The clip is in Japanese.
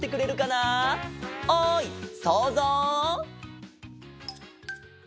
おいそうぞう！